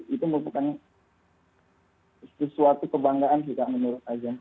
itu merupakan sesuatu kebanggaan kita menurut adzan